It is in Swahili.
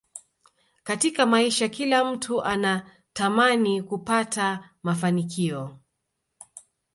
Katika maisha kila mtu anatamani kupata mafanikio